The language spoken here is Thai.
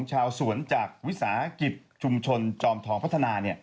ชาวสวนจากวิสาหกิจชุมชนจอมทองพัฒนา